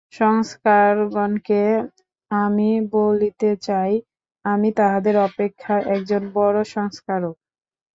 সংস্কারকগণকে আমি বলিতে চাই, আমি তাঁহাদের অপেক্ষা একজন বড় সংস্কারক।